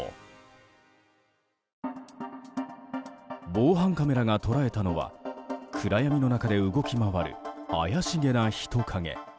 防犯カメラが捉えたのは暗闇の中で動き回る怪しげな人影。